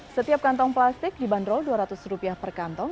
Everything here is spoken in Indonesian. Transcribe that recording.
setiap kantong plastik dibanderol dua ratus rupiah per kantong